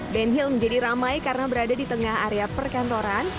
ben hill menjadi ramai karena berada di tengah area perkantoran